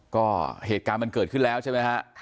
ก็เหตุการณ์มันเกิดขึ้นแล้วใช่ไหมฮะ